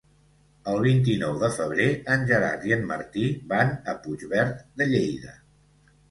El vint-i-nou de febrer en Gerard i en Martí van a Puigverd de Lleida.